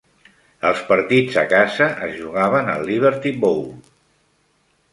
Els partits a casa es jugaven al Liberty Bowl.